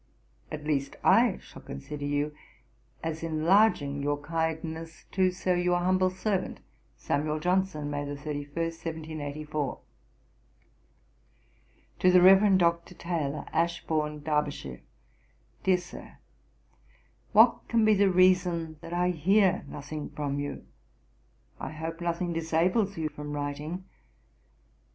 At least I shall consider you as enlarging your kindness to, Sir, 'Your humble servant, 'SAM. JOHNSON.' 'May 31, 1784.' 'To THE REVEREND DR. TAYLOR, ASHBOURNE, DERBYSHIRE. 'DEAR SIR, 'What can be the reason that I hear nothing from you? I hope nothing disables you from writing.